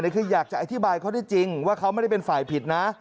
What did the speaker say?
คืออยากจะอธิบายเขาได้จริงว่าเขาไม่ได้เป็นฝ่ายผิดนะ